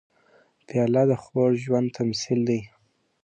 پیاله د خوږ ژوند تمثیل دی.